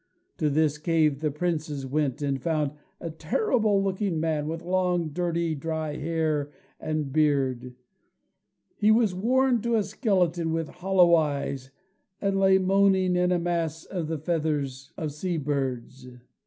To this cave the princes went, and found a terrible looking man, with long, dirty, dry hair and beard; he was worn to a skeleton, with hollow eyes, and lay moaning in a mass of the feathers of sea birds.